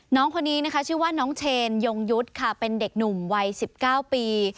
น้องคนนี้นะคะชื่อว่าน้องเชนยงยุทธ์ค่ะเป็นเด็กหนุ่มวัย๑๙ปี